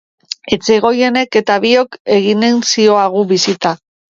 Etxegoienek eta biok eginen zioagu bisita.